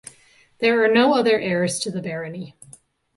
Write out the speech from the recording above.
There are no other heirs to the barony.